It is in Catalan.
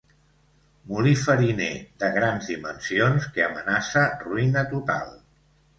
Molí fariner de grans dimensions que amenaça ruïna total.